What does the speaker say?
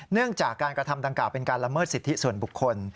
เนื่องจากการกระทำดังกล่าเป็นการละเมิดสิทธิส่วนบุคคล